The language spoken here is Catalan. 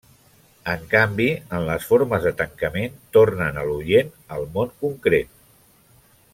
En canvi, en les formes de tancament tornen a l'oient al món concret.